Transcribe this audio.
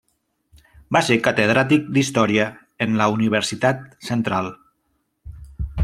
Va ser catedràtic d'Història en la Universitat Central.